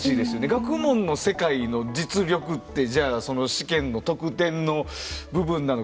学問の世界の実力ってじゃあその試験の得点の部分なのか。